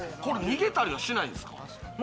逃げたりはしないんですか？